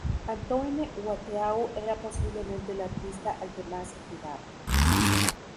Antoine Watteau era posiblemente el artista al que más admiraban.